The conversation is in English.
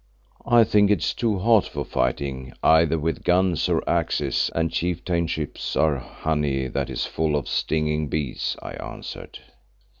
"I think it is too hot for fighting either with guns or axes, and Chieftainships are honey that is full of stinging bees," I answered.